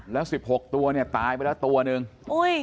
แล้วสิบหกตัวเนี่ยตายไปแล้วตัวหนึ่งอุ้ย